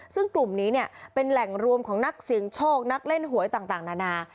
ซึ่งกลุ่มนี้เนี่ยเป็นแหล่งรวมของนักเสียงโชคนักเล่นหวยต่างนานา